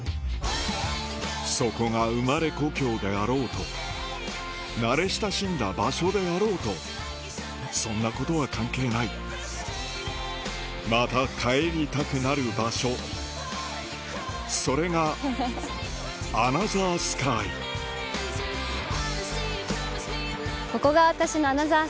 そこが生まれ故郷であろうと慣れ親しんだ場所であろうとそんなことは関係ないまた帰りたくなる場所それがアナザースカイここが私のアナザー